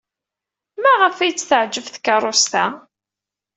Maɣef ay t-teɛjeb tkeṛṛust-a?